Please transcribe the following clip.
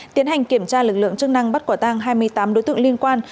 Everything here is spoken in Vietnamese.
tiến hành kiểm tra lực lượng chức năng bắt quả tang hai mươi tám đối tượng liên quan